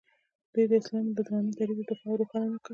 دوی د اسلام له درانه دریځه دفاع او روښانه نه کړ.